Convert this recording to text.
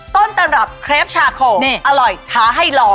ต้นตำรับเครปชาโคอร่อยท้าให้รอ